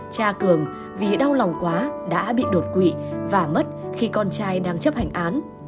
cha cường vì đau lòng quá đã bị đột quỵ và mất khi con trai đang chấp hành án